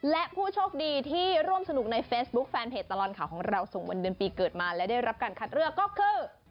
และผู้โชคดีที่ร่วมสนุกในเฟซบุ๊คแฟนเพจตลอดข่าวของเราส่งวันเดือนปีเกิดมาและได้รับการคัดเลือกก็คือ